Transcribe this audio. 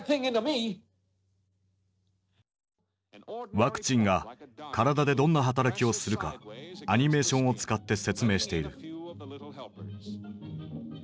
ワクチンが体でどんな働きをするかアニメーションを使って説明している。